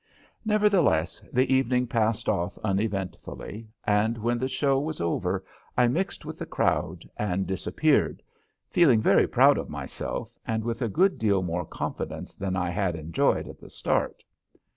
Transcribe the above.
Nevertheless, the evening passed off uneventfully, and when the show was over I mixed with the crowd and disappeared, feeling very proud of myself and with a good deal more confidence than I had enjoyed at the start.